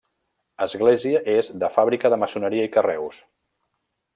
Església és de fàbrica de maçoneria i carreus.